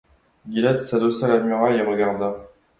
Gilliatt s’adossa à la muraille et regarda.